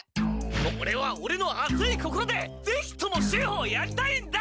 オレはオレの熱い心でぜひとも修補をやりたいんだ！